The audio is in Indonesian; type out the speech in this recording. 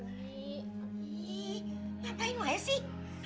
ihh ngapain wae sih